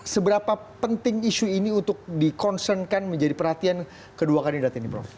seberapa penting isu ini untuk dikonsenkan menjadi perhatian kedua kandidat ini prof